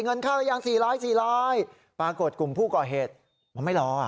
เงินเข้ายังสี่ร้อยสี่ร้อยปรากฏกลุ่มผู้ก่อเหตุไม่รออ่ะ